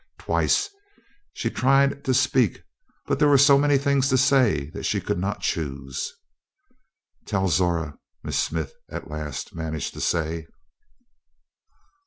Twice she tried to speak, but there were so many things to say that she could not choose. "Tell Zora," Miss Smith at last managed to say.